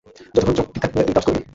যতক্ষণ চোখ ঠিক থাকবে, তুই কাজ করবি।